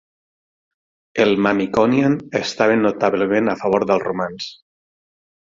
El Mamikonian estaven notablement a favor dels romans.